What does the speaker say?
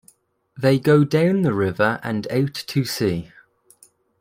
They go down the river and out to sea.